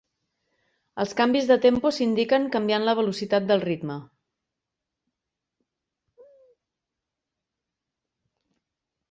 Els canvis de tempo s'indiquen canviant la velocitat del ritme.